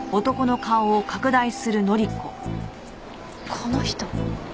この人！